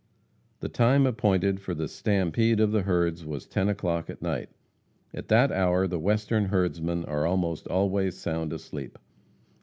The time appointed for "the stampede" of the herds was ten o'clock at night. At that hour the western herdsmen are almost always sound asleep.